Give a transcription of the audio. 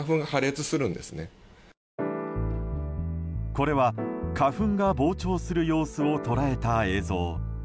これは花粉が膨張する様子を捉えた映像。